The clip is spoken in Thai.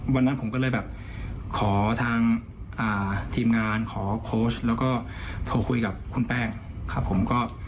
วันนั้นผมก็เลยแบบขอทางทีมงานขอโค้ชแล้วก็โทรคุยกับคุณแป้งครับผมก็